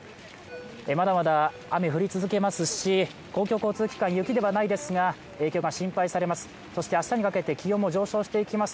まだまだ雨は降り続けますし交響交通機関、雪ではないですが、心配されます。